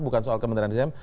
bukan soal kementerian sdm